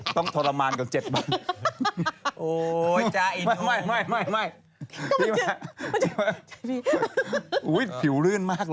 ต้องทรมานกว่า๗บาท